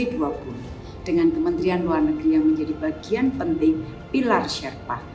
dengan kementerian luar negeri yang menjadi bagian penting pilar sherpa